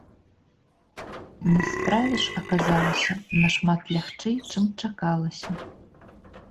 На справе ж аказалася нашмат лягчэй, чым чакалася.